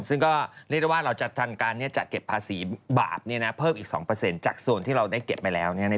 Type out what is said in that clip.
ซึ่งเรียกได้ว่าเราจะจัดเก็บภาษีบาทเพิ่มอีก๒จากส่วนที่เราได้เก็บไปแล้วในปี๑๙๕๙